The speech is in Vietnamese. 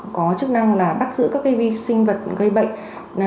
có chức năng là bắt giữ các vi sinh vật gây bệnh